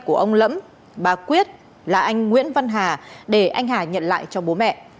của ông lẫm bà quyết là anh nguyễn văn hà để anh hà nhận lại cho bố mẹ